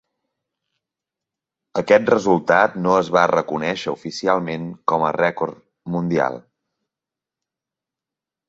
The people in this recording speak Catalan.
Aquest resultat no es va reconéixer oficialment com a rècord mundial